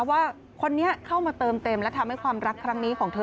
ว่าคนนี้เข้ามาเติมเต็มและทำให้ความรักครั้งนี้ของเธอ